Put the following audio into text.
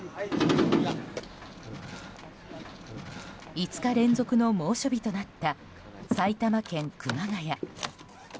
５日連続の猛暑日となった埼玉県熊谷。